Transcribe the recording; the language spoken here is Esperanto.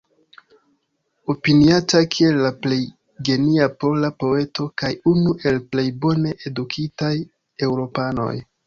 Opiniata kiel la plej genia pola poeto kaj unu el plej bone edukitaj eŭropanoj.